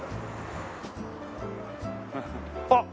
あっ！